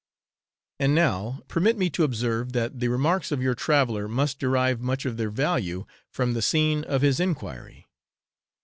And now, permit me to observe, that the remarks of your traveller must derive much of their value from the scene of his enquiry.